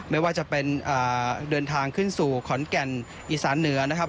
ไม่ว่าจะเป็นเดินทางขึ้นสู่ขอนแก่นอีสานเหนือนะครับ